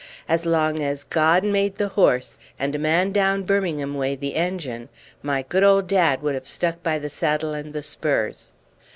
As long as God made the horse, and a man down Birmingham way the engine, my good old dad would have stuck by the saddle and the spurs.